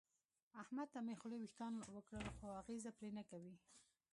احمد ته مې خولې وېښتان وکړل خو اغېزه پرې نه کوي.